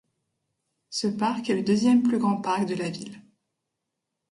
Ce parc est le deuxième plus grand parc de la ville.